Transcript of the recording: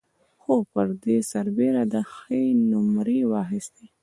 خو پر دې سربېره ده ښې نومرې واخيستې.